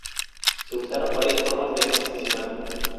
Se usaron variadas formas de asesinato.